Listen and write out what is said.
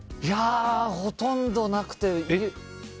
いや、ほとんどなくて。